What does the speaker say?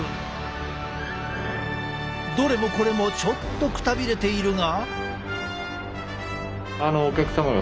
どれもこれもちょっとくたびれているが。